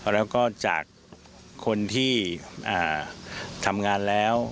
แล้วก็จากคนที่ทำงานแล้ว